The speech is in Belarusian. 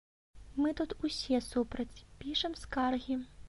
Мы тут усе супраць, пішам скаргі.